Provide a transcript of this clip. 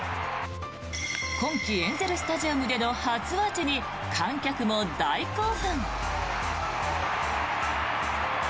今季エンゼル・スタジアムでの初アーチに観客も大興奮。